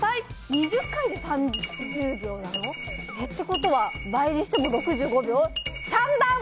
２０階で３０秒なの？ってことは倍にしても６５秒。